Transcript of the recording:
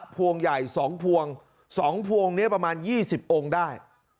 พวงใหญ่สองพวงสองพวงนี่ประมาณยี่สิบองค์ได้